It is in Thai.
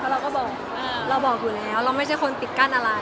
เราก็บอกเราบอกอยู่แล้วเราไม่ใช่คนปิดกั้นอะไร